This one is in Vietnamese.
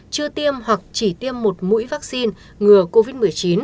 chưa tiêm hoặc chỉ tiêm một mũi vaccine ngừa covid một mươi chín